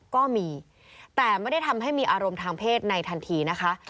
ก็มีแต่ไม่ได้ทำให้มีอารมณ์ทางเพศในทันทีนะคะ